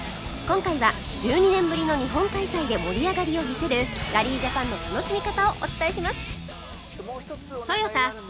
今回は１２年ぶりの日本開催で盛り上がりを見せるラリージャパンの楽しみ方をお伝えします